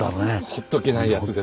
ほっとけないやつですね。